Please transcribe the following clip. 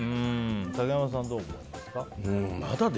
竹山さん、どう思いますか？